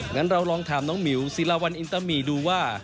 งั้นเราลองถามน้องหมิวศิลาวันอินตามีดูว่า